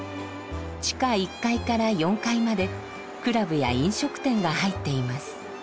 地下１階から４階までクラブや飲食店が入っています。